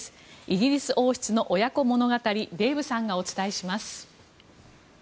イギリス王室の親子物語デーブさんがお伝えします。